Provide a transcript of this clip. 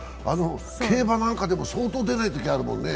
競馬なんかでも相当出ないときあるもんね。